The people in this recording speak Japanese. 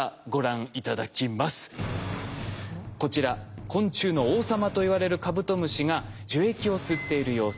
こちら昆虫の王様といわれるカブトムシが樹液を吸っている様子です。